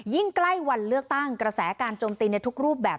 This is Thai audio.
ใกล้วันเลือกตั้งกระแสการโจมตีในทุกรูปแบบ